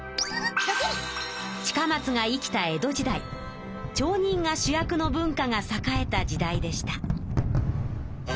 近松が生きた江戸時代町人が主役の文化が栄えた時代でした。